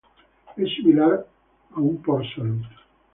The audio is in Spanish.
Es similar a un port-salut.